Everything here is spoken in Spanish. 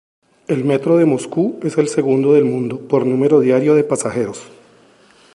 El metro de Moscú es el segundo del mundo por número diario de pasajeros.